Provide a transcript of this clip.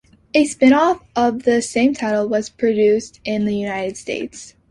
A spinoff of the same title was produced in the United States.